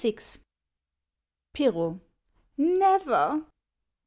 Pirro. Never